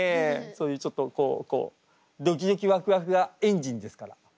そういうちょっとこうこうドキドキワクワクがエンジンですから。